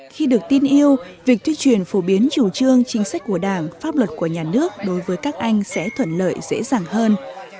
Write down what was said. khi được tin yêu việc tuyên truyền phổ biến chủ trương chính sách của đảng pháp luật của nhà nước đối với các anh sẽ thuận lợi dễ dàng hơn